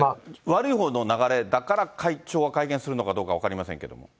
悪いほうの流れだから、会長が会見するのかどうか分かりませんけ